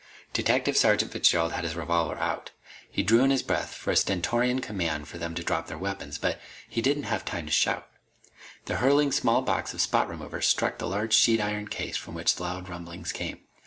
Detective Sergeant Fitzgerald had his revolver out. He drew in his breath for a stentorian command for them to drop their weapons. But he didn't have time to shout. The hurtling small box of spot remover struck the large sheet iron case from which loud rumblings came.